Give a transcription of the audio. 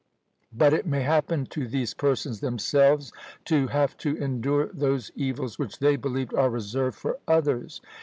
_But it may happen to these persons themselves to have to endure those evils which they believe are reserved for others.